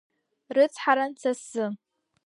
Рыцҳаран са сзы.